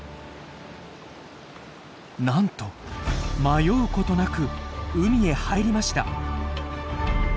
なんと迷うことなく海へ入りました。